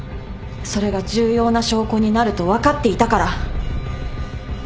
それが重要な証拠になると分かっていたから。